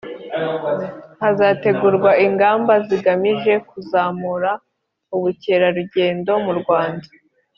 hazategurwa ingamba zigamije kuzamura ubukerarugendo mu rwanda